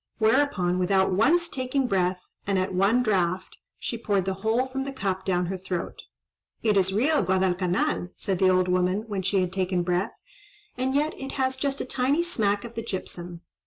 Whereupon, without once taking breath, and at one draught, she poured the whole from the cup down her throat. "It is real Guadalcanal," said the old woman, when she had taken breath; "and yet it has just a tiny smack of the gypsum.